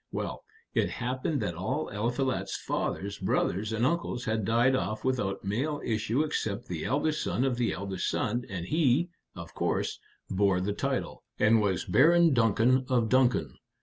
Well, it happened that all Eliphalet's father's brothers and uncles had died off without male issue except the eldest son of the eldest son, and he, of course, bore the title, and was Baron Duncan of Duncan.